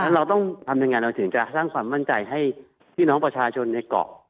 เราต้องทำยังไงเราถึงจะสร้างความมั่นใจให้พี่น้องประชาชนในเกาะ